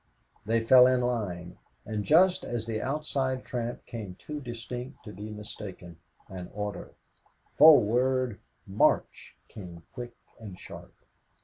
They fell in line, and just as the outside tramp came too distinct to be mistaken, an order, "Forward, March," came quick and sharp.